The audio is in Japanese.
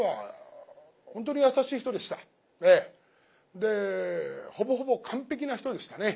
でほぼほぼ完璧な人でしたね。